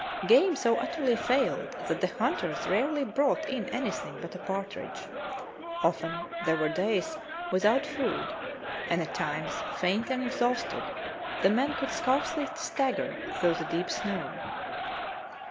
Game so utterly failed that the hunters rarely brought in anything but a partridge. Often they were days without food, and at times, faint and exhausted, the men could scarcely stagger through the deep snow.